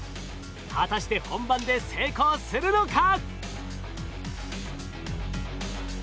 果たして本番で成功するのか？